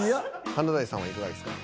華大さんはいかがですか？